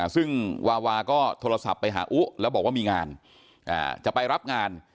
ซึ่งวาวาก็โทรศัพท์ไปหาอุแล้วบอกว่ามีงานจะไปรับงาน